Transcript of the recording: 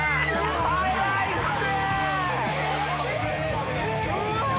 早いって！